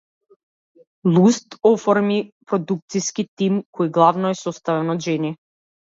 Луст оформи продукциски тим кој главно е составен од жени.